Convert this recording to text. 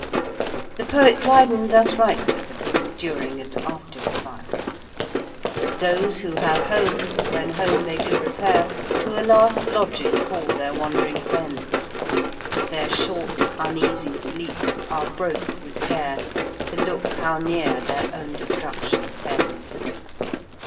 The poet Dryden thus writes of the people during and after the fire: Those who have homes, when home they do repair, To a last lodging call their wandering friends: Their short uneasy sleeps are broke with care To look how near their own destruction tends.